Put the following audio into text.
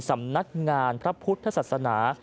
สำนักงานพระพุทธศาสนา